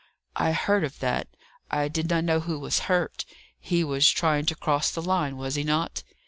"I heard of that. I did not know who was hurt. He was trying to cross the line, was he not?"